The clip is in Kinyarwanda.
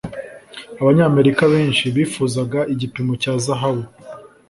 Abanyamerika benshi bifuzaga igipimo cya zahabu.